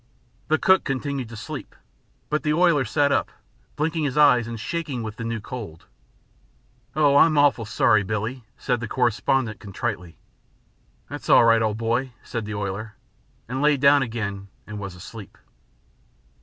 The cook continued to sleep, but the oiler sat up, blinking his eyes and shaking with the new cold. "Oh, I'm awful sorry, Billie," said the correspondent contritely. "That's all right, old boy," said the oiler, and lay down again and was asleep.